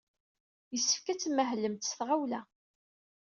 Yessefk ad tmahlemt s tɣawla.